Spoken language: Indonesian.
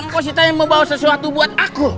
kok sitae mau bawa sesuatu buat aku